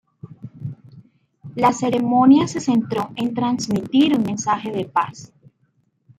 La ceremonia se centró en transmitir un mensaje de paz.